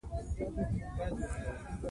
تاریخ د خپل ولس د صداقت لامل دی.